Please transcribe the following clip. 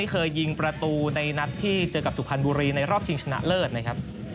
เคยยิงประตูในนัดที่เจอกับสุพรรณบุรีในรอบชิงชนะเลิศนะครับ